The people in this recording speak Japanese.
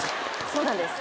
そうなんです